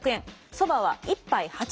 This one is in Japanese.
そばは１杯８５円